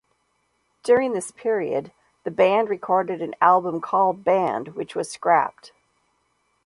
During this period, the band recorded an album called "Band", which was scrapped.